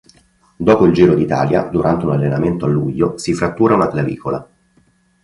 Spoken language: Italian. Dopo il Giro d'Italia, durante un allenamento a luglio, si frattura una clavicola.